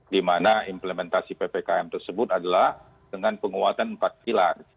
dimana implementasi ppkm tersebut adalah dengan penguatan empat pilar